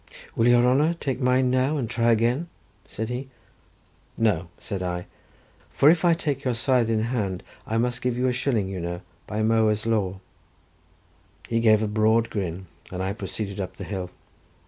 "Will your honour take mine now, and try again?" said he. "No," said I, "for if I take your scythe in hand I must give you a shilling, you know, by mowers' law." He gave a broad grin, and I proceeded up the hill.